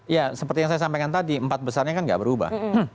ya seperti yang saya sampaikan tadi empat besarnya kan tidak berubah